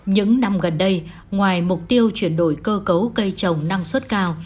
những năm gần đây ngoài mục tiêu chuyển đổi cơ cấu cây trồng năng suất cao